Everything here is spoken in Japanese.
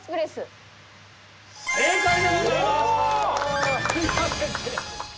正解でございます！